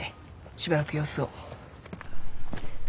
しばらく様子を。